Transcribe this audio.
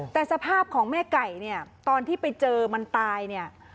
แต่สภาพของแม่ไก่เนี่ยตอนที่ไปเจอมันตายเนี่ย